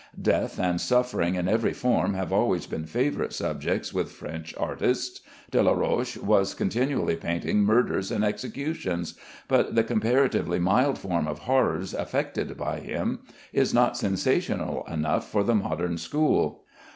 Death and suffering in every form have always been favorite subjects with French artists. Delaroche was continually painting murders and executions, but the comparatively mild form of horrors affected by him is not sensational enough for the modern school.